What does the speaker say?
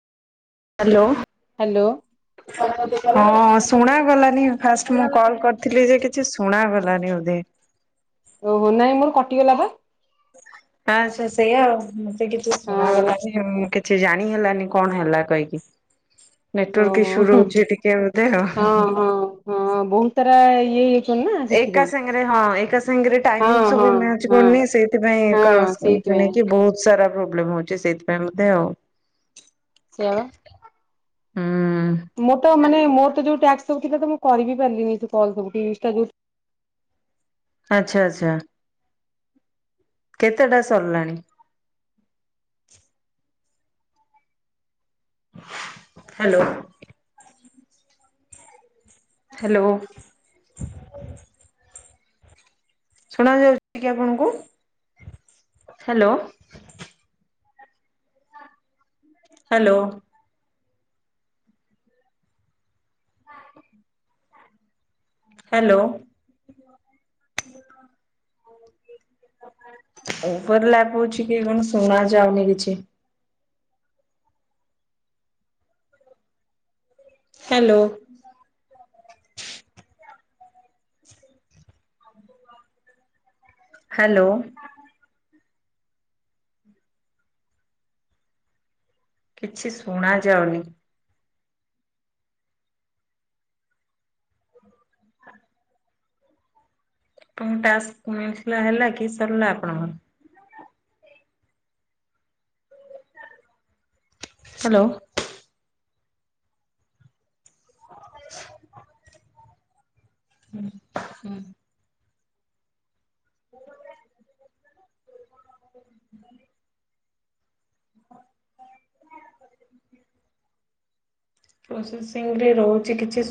Hello hello ହଁ ଶୁଣା ଗଲାନି। ଫାଷ୍ଟ ମୁଁ କଲ୍ କରିଥିଲି ଯେ କିଛି ଶୁଣାଗଲାନି ବୋଧ। ଓହୋ ନାଇଁ ମୋର କଟିଗଲା ପା। ଆଚ୍ଛା ସେଇଆା ଆଉ ମତେ କିଛି ହଁ ଶୁଣା ଗଲାଣି ଆଉ କିଛି ଜାଣି ହେଲାନି କଣ ହେଲା କହିକି? ନେଟୱାର୍କ ଓହୋ ଇସ୍ୟୁ ରହୁଛି ଟିକେ ବଧେ ହଁ ଆଉ। ହଁ ହଁ ବହୁତ ସାରା ଇଏ ହେଇଛନ୍ତି ନା ଏକା ସେଥିପାଇଁ ସାଙ୍ଗରେ ହଁ ଏକା ସାଙ୍ଗରେ ହଁ ଟାଇମିଙ୍ଗ୍ ହଁ ସବୁ ମ୍ୟାଚ୍ ହଁ କରୁନି ହଁ ସେଇଥିପାଇଁ ସେଇଥିପାଇଁ କି ବହୁତ ସାରା ପ୍ରୋବ୍ଲେମ ହଉଛି ସେଥିପାଇଁ ବେଧେ ଆଉ। ସେଇଆ ପା। ହୁଁ ମୁଁ ତ ମାନେ ମୋର ତ ଯୋଉ ଟାକ୍ସ୍ ସବୁ ଥିଲା ତ ମୁଁ କରିିବି ପାରିଲିନି କଲ୍ ସବୁଠି ଇଷ୍ଟା ଆଚ୍ଛା ଆଚ୍ଛା। କେତେଟା ସରିଲାଣି? ହାଲୋ। ହାଲୋ। ଶୁଣା ଯାଉଛି କି ଆପଣଙ୍କୁ ହାଲୋ। ହାଲୋ। ହାଲୋ। ଉପର ଲାଗୁଛି କି କଣ ଶୁଣା ଯାଉନି କିଛି? Hello hello. କିଛି ଶୁଣା ଯାଉନି? ତମକୁ ଟାସ୍କ ମିଳିିଥିଲା ହେଲା କି ସରିଲା ଆପଣଙ୍କର? ହାଲୋ। ହୁଁ ହୁଁ। [unintelligible] ପ୍ରୋସେସିଂଗି ରେ ରହୁଛି କିଛି